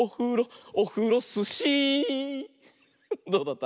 どうだった？